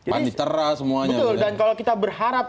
panditera semuanya gitu ya